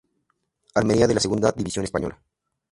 Almería de la Segunda División española.